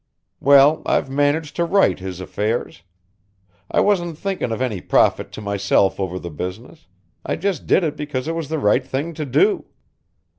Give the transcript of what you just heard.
Well, I've managed to right his affairs. I wasn't thinking of any profit to myself over the business, I just did it because it was the right thing to do.